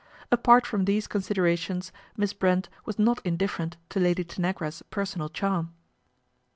Apart from these con siderations Miss Brent was not indifferent to Lady Tanagra's personal charm.